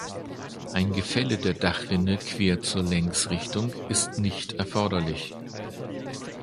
Ein Gefälle der Dachrinne quer zur Längsrichtung ist nicht erforderlich.